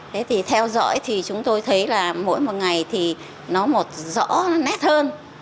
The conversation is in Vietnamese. thế thì theo dõi thì chúng tôi thấy là mỗi một ngày thì nó một rõ nó nét hơn